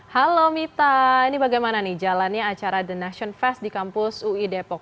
halo mita ini bagaimana nih jalannya acara the nation fest di kampus ui depok